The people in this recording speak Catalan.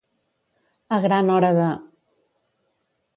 A gran hora de.